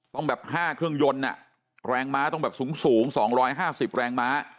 ต้องแบบ๕เครื่องยนต์แรงม้าต้องแบบสูง๒๕๐แรงม้า